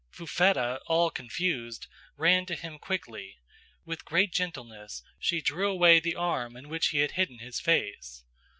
"Fufetta, all confused, ran to him quickly. With great gentleness she drew away the arm in which he had hidden his face.